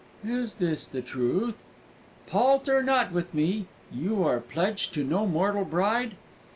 "Is this the truth? Palter not with me! You are pledged to no mortal bride?"